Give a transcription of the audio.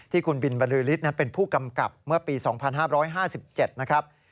ที่คุณบินบรรลือริศเป็นผู้กำกับเมื่อปี๒๕๕๗นะครับ